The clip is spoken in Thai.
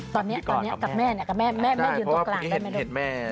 ตอนเนี้ยกับแม่เนี่ยแม่ยืนตรงกลางได้ไหม